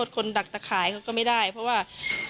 คนดักตะขายเขาก็ไม่ได้เพราะว่า